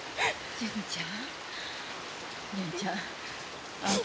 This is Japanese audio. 純ちゃん。